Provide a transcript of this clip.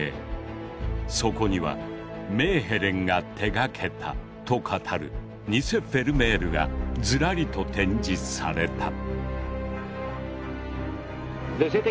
そこにはメーヘレンが手がけたと語るニセ・フェルメールがずらりと展示された。